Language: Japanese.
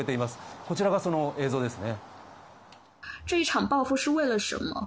こちらが、その映像ですね。